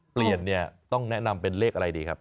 เปลี่ยนเนี่ยต้องแนะนำเป็นเลขอะไรดีครับ